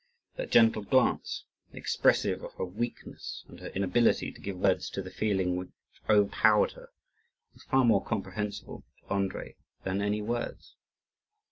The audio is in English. That gentle glance, expressive of her weakness and her inability to give words to the feeling which overpowered her, was far more comprehensible to Andrii than any words.